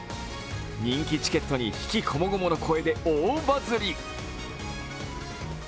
人気チケットに、悲喜こもごもの声で大バズり。